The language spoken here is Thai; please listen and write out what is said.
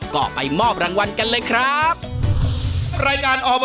ก็ไปมอบรางวัลกันเลยครับ